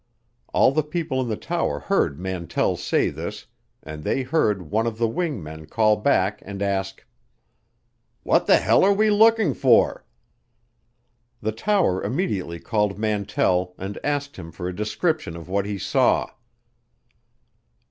All the people in the tower heard Mantell say this and they heard one of the wing men call back and ask, "What the hell are we looking for?" The tower immediately called Mantell and asked him for a description of what he saw.